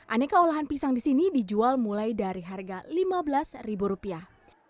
aneka olahan pisang di sini dijual mulai dari harga lima belas ribu rupiah